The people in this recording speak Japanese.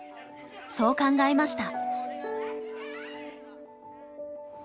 そう考えました。